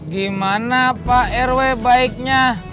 gimana pak rw baiknya